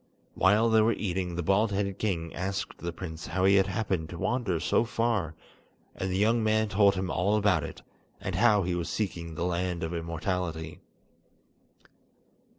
While they were eating, the bald headed king asked the prince how he had happened to wander so far, and the young man told him all about it, and how he was seeking the Land of Immortality.